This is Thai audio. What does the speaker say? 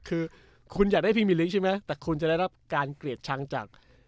คือคุณอยากได้พิมิลิกใช่ไหมแต่คุณจะได้รับการเกลียดชังจาก